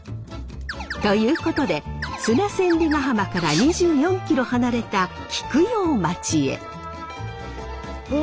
ということで砂千里ヶ浜から２４キロ離れたうわ。